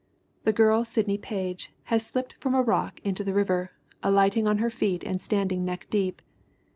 The girl Sidney Page has slipped from a rock into the river, alighting on her feet and standing neck deep.